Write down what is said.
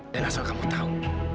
dan asal kamu tahu